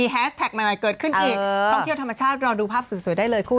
เพราะเราปลอดภัยแล้ว